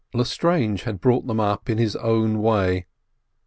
Lestrange had brought them up in his own way.